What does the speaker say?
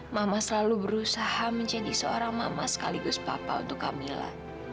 mama selalu berusaha menjadi seorang mama sekaligus papa untuk camilla